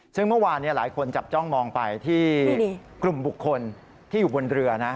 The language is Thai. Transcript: ซึ่งเมื่อวานหลายคนจับจ้องมองไปที่กลุ่มบุคคลที่อยู่บนเรือนะ